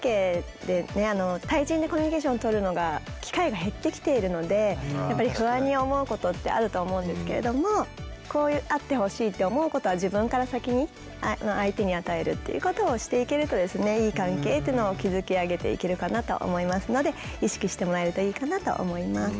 対人でコミュニケーションとるのが機会が減ってきているのでやっぱり不安に思うことってあると思うんですけれどもこうあってほしいって思うことは自分から先に相手に与えるっていうことをしていけるといい関係っていうのを築き上げていけるかなと思いますので意識してもらえるといいかなと思います。